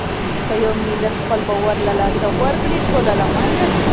که يو ملت خپل باور له لاسه ورکړي، سوله له منځه ځي.